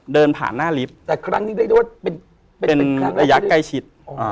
เดินผ่านหน้าลิฟท์เป็นระยะใกล้ชิด